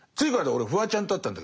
俺フワちゃんと会ったんだけどさ